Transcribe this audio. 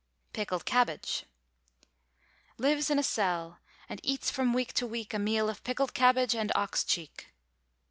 PICKLED CABBAGE. Lives in a cell, and eats from week to week A meal of pickled cabbage and ox cheek.